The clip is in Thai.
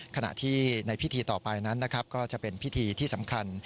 ขณะที่ในพิธีต่อไปนั้นนะครับก็จะเป็นพิธีที่สำคัญ